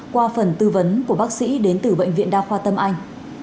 qua phần tư vấn của bác sĩ đến từ bệnh viện đa khoa tâm anh